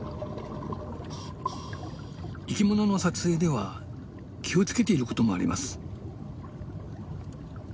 生きものの撮影では気を付けていることもあります。